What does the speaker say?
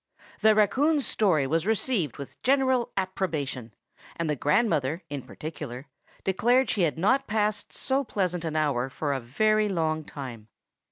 THE raccoon's story was received with general approbation; and the grandmother, in particular, declared she had not passed so pleasant an hour for a very long time.